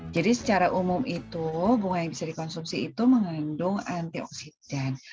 jadi secara umum itu bunga yang bisa dikonsumsi itu mengandung antioksidan